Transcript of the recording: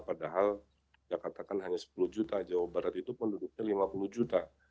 padahal jakarta kan hanya sepuluh juta jawa barat itu penduduknya lima puluh juta